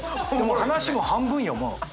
話も半分よもう。